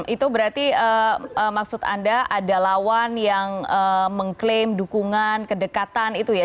itu berarti maksud anda ada lawan yang mengklaim dukungan kedekatan itu ya